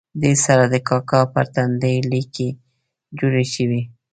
دې سره د کاکا پر تندي لیکې جوړې شوې.